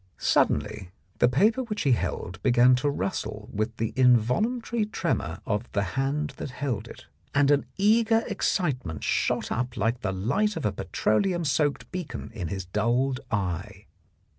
... Suddenly the paper which he held began to rustle with the involuntary tremor of the hand that held it, and an eager excitement shot up like the light of a petroleum soaked beacon in his dulled eye.